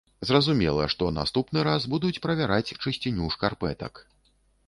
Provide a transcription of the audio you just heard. Зразумела, што наступны раз будуць правяраць чысціню шкарпэтак.